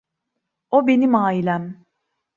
O benim ailem.